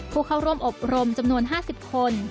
ผู้เข้าร่วมอบรมจำนวน๕๐คน